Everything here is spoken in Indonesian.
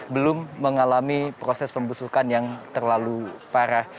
belum mengalami proses pembusukan yang terlalu parah